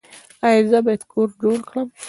ایا زه باید کور جوړ کړم؟